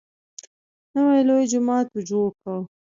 نوی لوی جومات ورجوړ کړ.